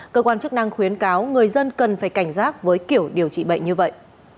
cơ quan chức năng khuyến cáo người dân cần phải cảnh giác với kiểu điều trị bệnh như vậy